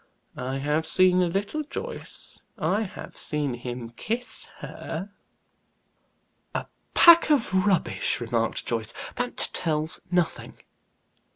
I have seen a little, Joyce; I have seen him kiss her." "A pack of rubbish!" remarked Joyce. "That tells nothing."